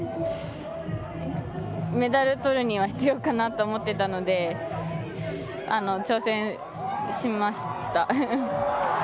メダルとるには必要かなと思っていたので挑戦しました。